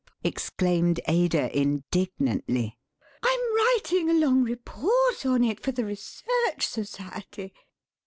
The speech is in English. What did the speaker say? exclaimed Ada, indignantly; "I'm writing a long report on it for the Research Society."